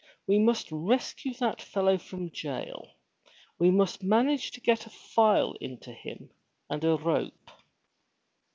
"We must rescue that fellow from jail. We must manage to get a file in to him and a rope."